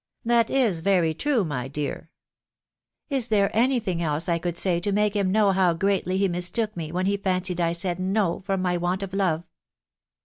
" That is very true, my dear." " Is there any thing else I could say to make him know how greatly he mistook me when he fancied I said no from my want of love